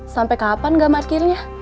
sampai kapan gak marketnya